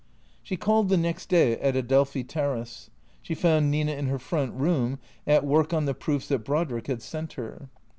She called the next day at Adelphi Terrace. She found Nina in her front room, at work on the proofs that Brodrick had sent her.